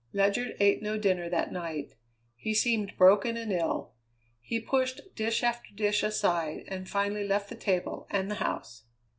Ledyard ate no dinner that night; he seemed broken and ill; he pushed dish after dish aside, and finally left the table and the house.